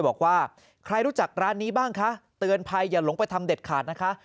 บอกว่าใครรู้จักร้านนี้บ้างคะเตือนภัยอย่าหลงไปทำเด็ดขาดนะคะ